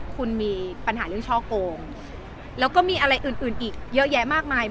คุณมีปัญหาเรื่องช่อโกงแล้วก็มีอะไรอื่นอีกเยอะแยะมากมาย